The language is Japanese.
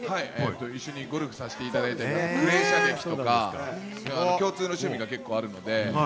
一緒にゴルフさせていただいて、クレーン射撃とか、共通の趣味が結構あるので。